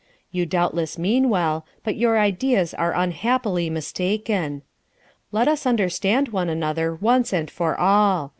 You doubtless mean well; but your ideas are unhappily mistaken. Let us understand one another once and for all.